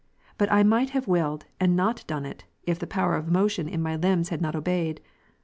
But I might have willed, and not done it, if the power of motion in my limbs had not obeyed.